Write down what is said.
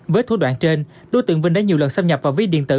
với thủ đoạn trên đối tượng vinh đã nhiều lần xâm nhập vào ví điện tử